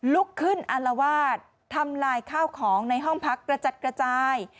ลุกขึ้นอารวาสทำลายข้าวของในห้องพักกระจัดกระจาย